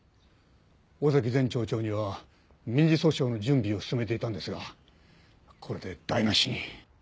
尾崎前町長には民事訴訟の準備を進めていたんですがこれで台無しに。